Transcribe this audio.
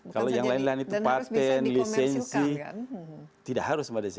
kalau yang lain lain itu patent lisensi tidak harus mbak desi